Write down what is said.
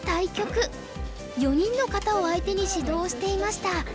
４人の方を相手に指導をしていました。